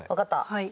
はい。